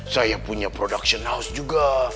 saya punya production house juga